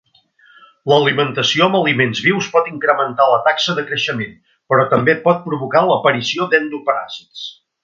L'alimentació amb aliments vius pot incrementar la taxa de creixement, però també pot provocar l'aparició d'endoparàsits.